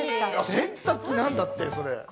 洗濯機なんだって、それ。